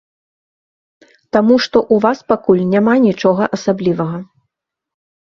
Таму што ў вас пакуль няма нічога асаблівага.